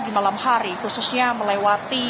di malam hari khususnya melewati